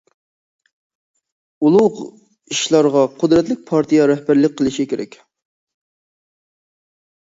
ئۇلۇغ ئىشلارغا قۇدرەتلىك پارتىيە رەھبەرلىك قىلىشى كېرەك.